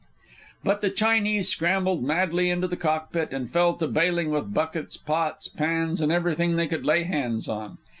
But the Chinese scrambled madly into the cockpit and fell to bailing with buckets, pots, pans, and everything they could lay hands on.